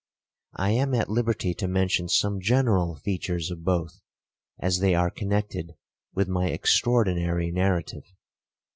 I am at liberty to mention some general features of both, as they are connected with my extraordinary narrative.